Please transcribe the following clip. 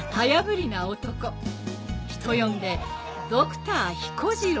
人呼んでドクター彦次郎